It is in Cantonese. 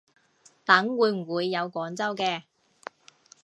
等會唔會有廣州嘅